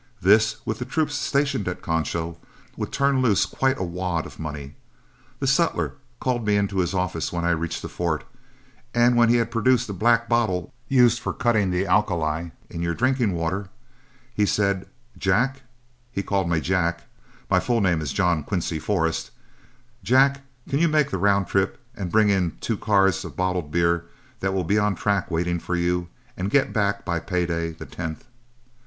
This, with the troops stationed at Concho, would turn loose quite a wad of money. The sutler called me into his office when I reached the fort, and when he had produced a black bottle used for cutting the alkali in your drinking water, he said, 'Jack,' he called me Jack; my full name is John Quincy Forrest, 'Jack, can you make the round trip, and bring in two cars of bottled beer that will be on the track waiting for you, and get back by pay day, the 10th?'